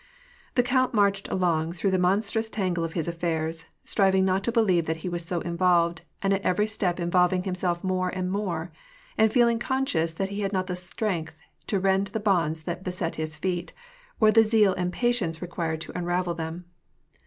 The count marched along through the monstrous tangle of his affairs, striving not to believe that he was so involved, and at every step involving himself more and more ; and feeling conscious that he had not the strength to rend the bonds that beset his feet, or the zeal and patience required to unravel them.